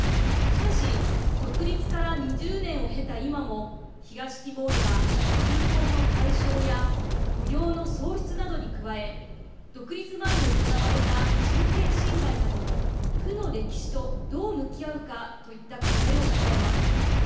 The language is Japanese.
しかし独立から２０年を経た今も東ティモールは貧困の解消や雇用の創出などに加え独立前に行われた人権侵害などの負の歴史とどう向き合うかといった課題を抱えます。